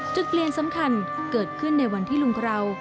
จุดเปลี่ยนสำคัญเกิดขึ้นในวันที่ลุงคราว